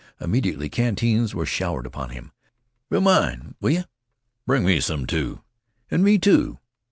Immediately canteens were showered upon him. "Fill mine, will yeh?" "Bring me some, too." "And me, too."